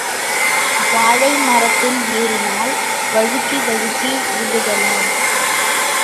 வாழைமரத்தில் ஏறினால், வழுக்கி வழுக்கி விழுகலாம்!